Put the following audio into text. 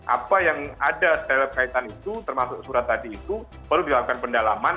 apa yang ada dalam kaitan itu termasuk surat tadi itu perlu dilakukan pendalaman